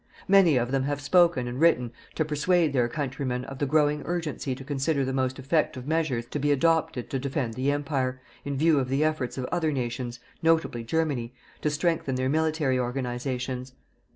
Many of them have spoken and written to persuade their countrymen of the growing urgency to consider the most effective measures to be adopted to defend the Empire, in view of the efforts of other nations notably Germany to strengthen their military organizations.